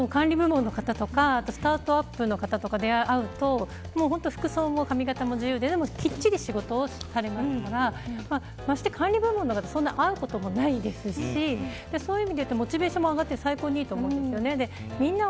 私、管理部門の方とかスタートアップの方とか会うと服装も髪型も自由ででもきっちり仕事をされますから管理部門の方ってそんなに会うこともないですしそういう意味でいうとモチベーションが上がって最高にいいと思うんですよね。